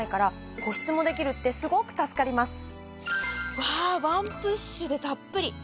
うわぁワンプッシュでたっぷり。